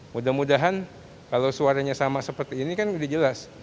mudah mudahan kalau suaranya sama seperti ini kan sudah jelas